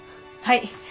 はい。